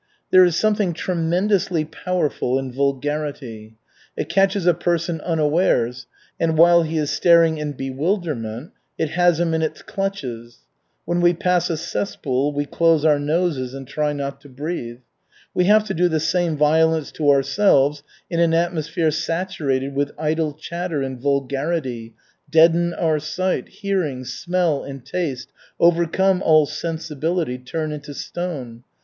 There is something tremendously powerful in vulgarity. It catches a person unawares, and while he is staring in bewilderment, it has him in its clutches. When we pass a cesspool we close our noses and try not to breathe. We have to do the same violence to ourselves in an atmosphere saturated with idle chatter and vulgarity, deaden our sight, hearing, smell and taste, overcome all sensibility, turn into stone.